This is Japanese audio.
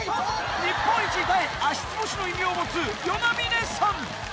日本一痛い足つぼ師の異名を持つ與那嶺さん